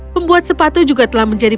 pembuat sepatu juga telah menjadi